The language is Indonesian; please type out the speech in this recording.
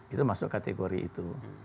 itu masuk kategori itu